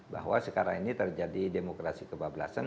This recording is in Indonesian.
bahwa sekarang ini terjadi demokrasi kebablasan